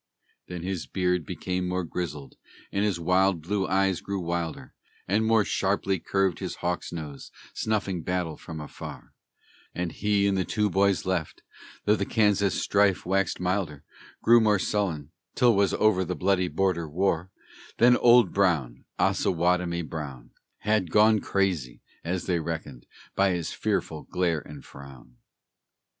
Then his beard became more grizzled, and his wild blue eye grew wilder, And more sharply curved his hawk's nose, snuffing battle from afar; And he and the two boys left, though the Kansas strife waxed milder, Grew more sullen, till was over the bloody Border War, And Old Brown, Osawatomie Brown, Had gone crazy, as they reckoned by his fearful glare and frown.